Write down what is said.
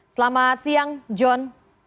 selamat siang jon